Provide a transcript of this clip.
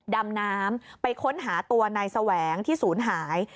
ดำน้ำไปค้นหาตัวนายแสวงที่ศูนย์หาย